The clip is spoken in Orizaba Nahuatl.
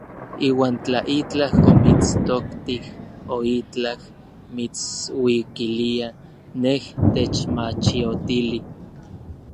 Iuan tla itlaj omitstoktij o itlaj mitsuikilia, nej techmachiotili.